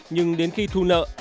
nhưng đến khi thu nợ